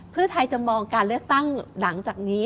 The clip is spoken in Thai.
เพื่อไทยจะมองการเลือกตั้งหลังจากนี้